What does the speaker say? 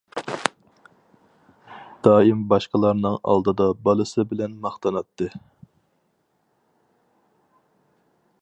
دائىم باشقىلارنىڭ ئالدىدا بالىسى بىلەن ماختىناتتى.